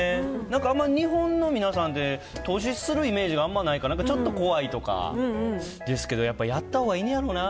なんかあまり、日本の皆さんって、投資するイメージがあんまないから、ちょっと怖いとかですけど、やっぱりやったほうがいいんやろな。